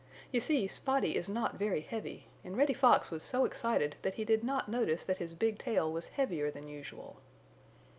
You see Spotty is not very heavy and Reddy Fox was so excited that he did not notice that his big tail was heavier than usual.